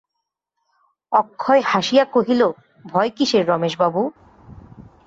অক্ষয় হাসিয়া কহিল, ভয় কিসের রমেশবাবু?